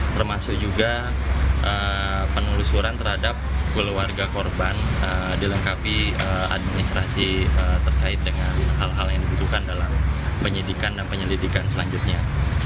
termasuk juga penelusuran terhadap keluarga korban dilengkapi administrasi terkait dengan hal hal yang dibutuhkan dalam penyidikan dan penyelidikan selanjutnya